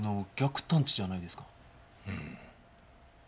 うん。